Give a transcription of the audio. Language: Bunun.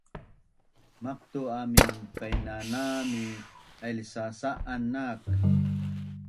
Maqtu’ amin painanam mi ailsasa’an nak